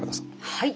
はい。